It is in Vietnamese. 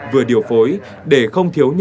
vừa điều phối để không thiếu cơ hội